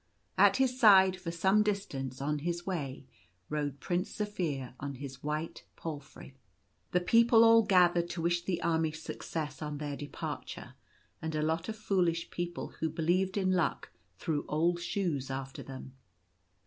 At his side, for some distance on his way, rode Prince Zaphir on his white palfrey. The people all gathered to wish the army success on their departure ; and a lot of foolish people who believed in luck threw old shoes after them.